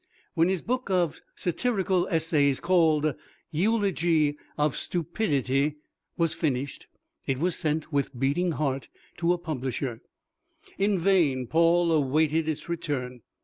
When his book of satirical essays, called "Eulogy of Stupidity," was finished, it was sent, with beating heart, to a publisher. In vain Paul awaited its return.